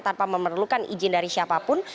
tanpa memerlukan izin dari siapapun